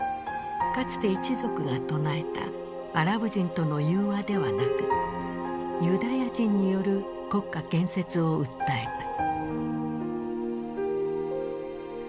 かつて一族が唱えたアラブ人との融和ではなくユダヤ人による国家建設を訴えた。